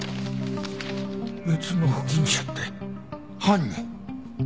別の保菌者って犯人？